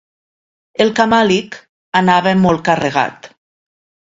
El camàlic anava molt carregat.